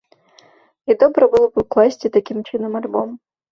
І добра было б скласці такім чынам альбом.